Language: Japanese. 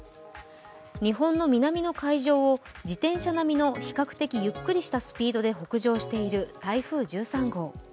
日本の南の海上を自転車並みの比較的ゆっくりしたスピードで北上している台風１３号。